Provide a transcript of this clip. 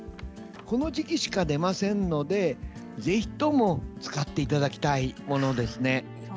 この時期しか出ませんのでぜひとも使っていただきたいものです。